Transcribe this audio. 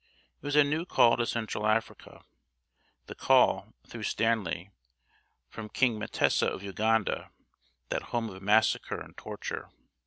It was a new call to Central Africa the call, through Stanley, from King M'tesa of Uganda, that home of massacre and torture.